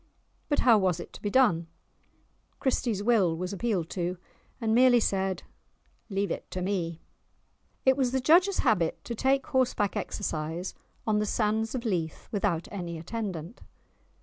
But how was it to be done? Christie's Will was appealed to, and merely said "Leave it to me." It was the judge's habit to take horseback exercise on the sands of Leith without any attendant.